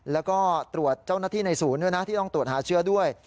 แล้วก็ตรวจเจ้าหน้าที่ในศูนย์ด้วยนะที่ต้องตรวจหาเชื้อด้วย